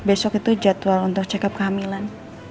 besok itu jadwal untuk check up kehamilan